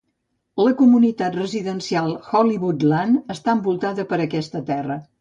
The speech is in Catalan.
La comunitat residencial Hollywoodland està envoltada per aquesta terra.